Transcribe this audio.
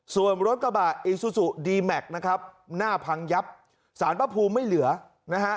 ส่วนรถกระบะอีซูซูดีแม็กซ์นะครับหน้าพังยับสารพระภูมิไม่เหลือนะฮะ